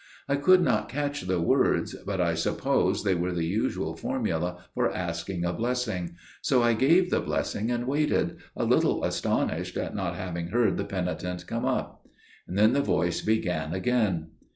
I could not catch the words, but I supposed they were the usual formula for asking a blessing, so I gave the blessing and waited, a little astonished at not having heard the penitent come up. "Then the voice began again."